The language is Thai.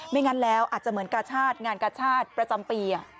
งั้นแล้วอาจจะเหมือนกาชาติงานกาชาติประจำปี